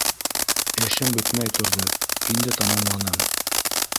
Эшем бөтмәй торҙо, инде тамамланым.